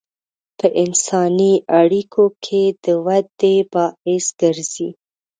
په انساني اړیکو کې د ودې باعث ګرځي.